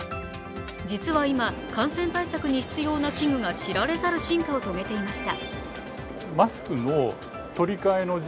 実は今、感染対策に必要な器具が知られざる進化を遂げていました。